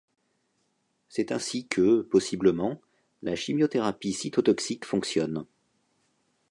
C’est ainsi que, possiblement, la chimiothérapie cytotoxique fonctionne.